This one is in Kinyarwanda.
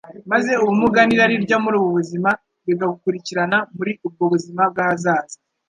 maze ubumuga n'irari ryo muri ubu buzima bikagarukirana muri ubwo buzima bw' ahazaza.